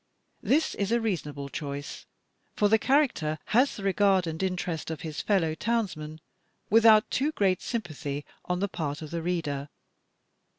This is a reasonable choice, for the character has the regard and interest of his fellow townsmen, without too great sympathy on the part of the reader.